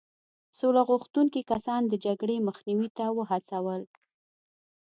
سوله غوښتونکي کسان د جګړې مخنیوي ته وهڅول.